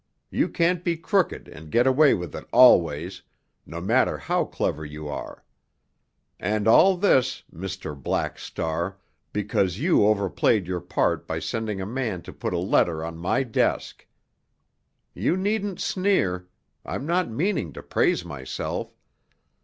You can't be crooked and get away with it always—no matter how clever you are. And all this, Mr. Black Star, because you overplayed your part by sending a man to put a letter on my desk. You needn't sneer—I'm not meaning to praise myself.